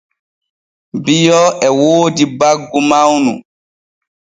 Bio e woodi baggu mawnu.